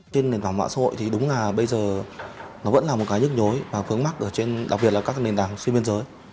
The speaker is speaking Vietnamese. trên nền tảng mạng xã hội thì đúng là bây giờ nó vẫn là một cái nhức nhối và phướng mắt ở trên đặc biệt là các nền tảng xuyên biên giới